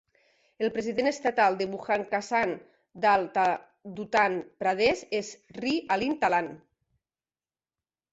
El president estatal del Bahujan Kisan Dal d'Uttar Pradesh és Sri Anil Talan.